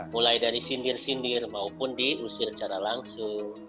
mulai dari sindir sindir maupun diusir secara langsung